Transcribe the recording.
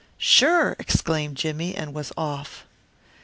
"Sure!" exclaimed Jimmie, and was off.